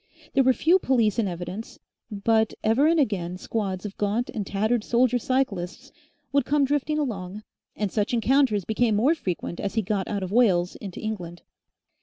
There were few police in evidence, but ever and again squads of gaunt and tattered soldier cyclists would come drifting along, and such encounters became more frequent as he got out of Wales into England.